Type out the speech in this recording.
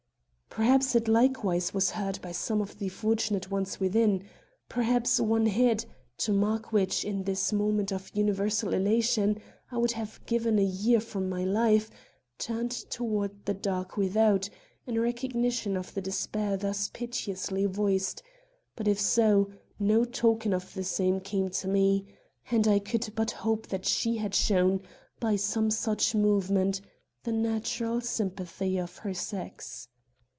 Perhaps it likewise was heard by some of the fortunate ones within! Perhaps one head, to mark which, in this moment of universal elation, I would have given a year from my life, turned toward the dark without, in recognition of the despair thus piteously voiced; but if so, no token of the same came to me, and I could but hope that she had shown, by some such movement, the natural sympathy of her sex.